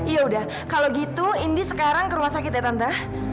ya udah kalau gitu indy sekarang ke rumah sakit ya tante